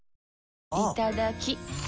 いただきっ！